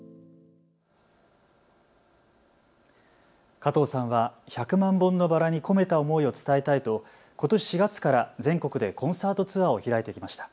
加藤さんは百万本のバラに込めた思いを伝えたいとことし４月から全国でコンサートツアーを開いてきました。